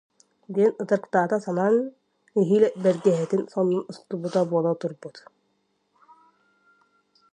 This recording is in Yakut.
диэн ытырыктата санаан, нэһиилэ бэргэһэтин, сонун устубута буола турбут